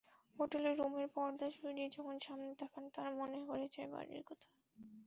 Hotel রুমের পর্দা সরিয়ে যখন সামনে তাকান, তাঁর মনে পড়ে যায় বাড়ির কথা।